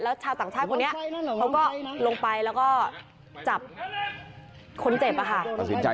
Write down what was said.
แล้วชาวต่างชาติคนนี้เขาก็ลงไปแล้วก็จับคนเจ็บอะค่ะ